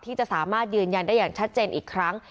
ที่จะสามารถยืนยันได้อย่างชัดเจนอีกครั้ง